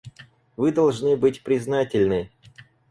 Вы должны быть признательны.